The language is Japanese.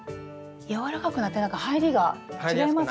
柔らかくなってなんか入りが違いますね。